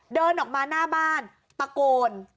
เดินออกมาหน้าบ้านตะโกน